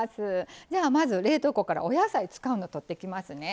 じゃあまず冷凍庫からお野菜使うの取ってきますね。